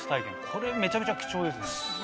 これめちゃめちゃ貴重ですね。